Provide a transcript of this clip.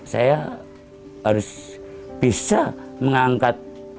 saya harus bisa mengangkat